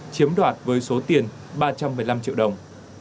chiếm đoạt với số tiền ba trăm một mươi năm triệu đồng